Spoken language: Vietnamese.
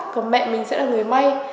còn mẹ mình sẽ là người may